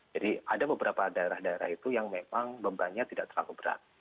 ada beberapa daerah daerah itu yang memang bebannya tidak terlalu berat